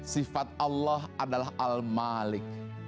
sifat allah adalah al malik